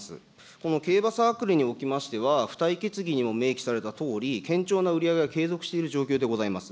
この競馬サークルにおきましては、付帯決議にも明記されたとおり、堅調な売り上げが継続している状況でございます。